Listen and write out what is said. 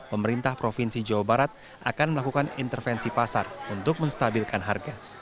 pemerintah provinsi jawa barat akan melakukan intervensi pasar untuk menstabilkan harga